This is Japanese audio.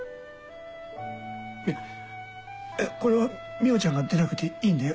いやこれは海音ちゃんが出なくていいんだよ。